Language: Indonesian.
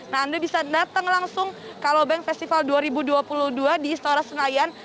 nah anda bisa datang langsung ke alobank festival dua ribu dua puluh dua di istora senayan